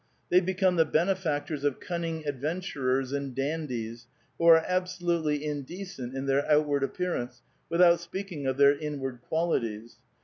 They become the benefactors of cunning adventurers and dandies who are absolutely indecent in their outward appearance, without speaking of their inward qualities.